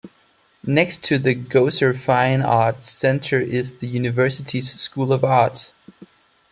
Next to the Gosser Fine Arts Center is the University's School of Art.